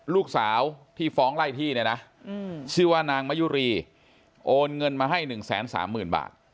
ลูกสาวที่ฟ้องไล่ที่เนี่ยนะชื่อว่านางมะยุรีโอนเงินมาให้๑๓๐๐๐บาท